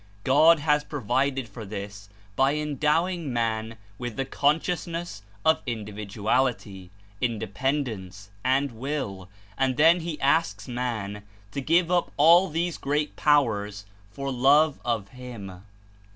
God has provided for this by endowing man with 154 the consciousness of Individuality, Independence and will, and then he asks man to give up all these great powers for love of him.